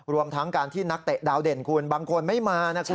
รวมทั้งการที่นักเตะดาวเด่นคุณบางคนไม่มานะครับ